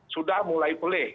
sudah mulai pulih